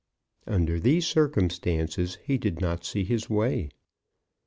Under these circumstances, he did not see his way.